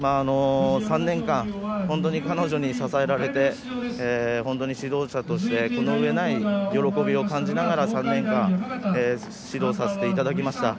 ３年間本当に彼女に支えられて本当に指導者としてこの上ない喜びを感じながら３年間指導させていただきました。